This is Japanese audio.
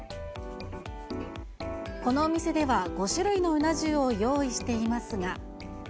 このお店では、５種類のうな重を用意していますが。